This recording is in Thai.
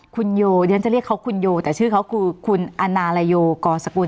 คุณโยเดี๋ยวฉันจะเรียกเขาคุณโยแต่ชื่อเขาคือคุณอนาลโยกอสกุล